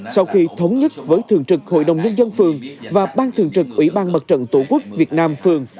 sau khi thống nhất với thường trực hội đồng nhân dân phường và ban thường trực ủy ban mặt trận tổ quốc việt nam phường